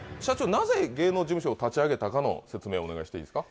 なぜ芸能事務所を立ち上げたかの説明お願いしていいですか？